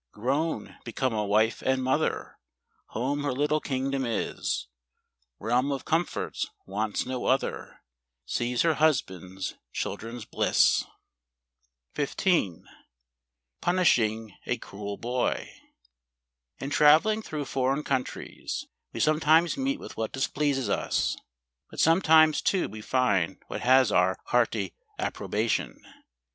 Grown, become a wife and mother, Home her little kingdom is ; Realm of comforts, wants no other, She's her husband's, children's bliss.. l ■'• '•V Sweden RUSSIA, 25' 15. Punishing a cruel Boy . In travelling through foreign countries we sometimes meet with what displeases us, but sometimes too we find what has our hearty ap¬ probation.